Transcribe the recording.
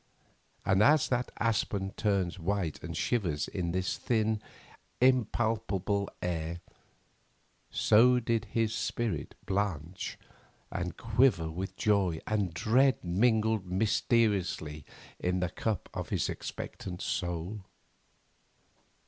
And as that aspen turns white and shivers in this thin, impalpable air, so did his spirit blanch and quiver with joy and dread mingled mysteriously in the cup of his expectant soul.